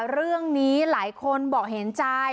เรื่องนี้หลายคนบอกเห็นใจ